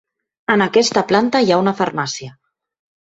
En aquesta planta hi ha una farmàcia.